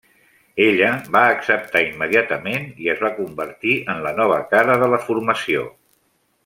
Ella va acceptar immediatament i es va convertir en la nova cara de la formació.